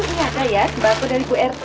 ini ada ya sembako dari bu rt